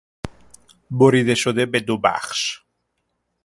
بریده شده به دو بخش